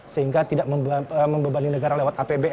sehingga tidak membebani negara lewat apbn